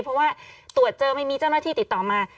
เพราะว่าตรวจเจอไม่มีเจ้าหน้าที่ติดต่อมา